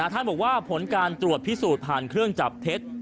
ท่านบอกว่าผลการตรวจพิสูจน์ผ่านเครื่องจับเท็จ